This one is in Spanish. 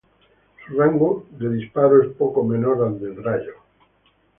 Su rango de disparo es poco menor al del Rayo.